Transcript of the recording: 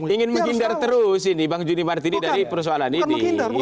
ingin menghindar terus ini bang juni martini dari persoalan ini